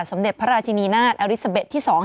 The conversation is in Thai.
สำเด็จพระราชินีนาศอลิซาเบตที่๒อังกฤษ